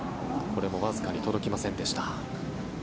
これもわずかに届きませんでした。